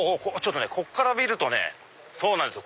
こっから見るとねそうなんですよ。